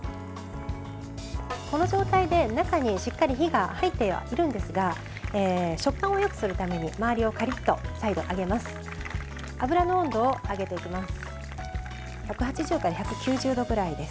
この状態で中にしっかり火が入ってはいるんですが食感をよくするために周りをカリッと最後、揚げます。